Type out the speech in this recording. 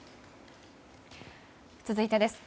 続いてです。